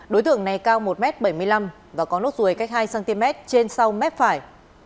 đối tượng này cao một m bảy mươi năm và có nốt ruồi cách hai cm trên sau mép phải